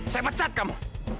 saya pecat kamu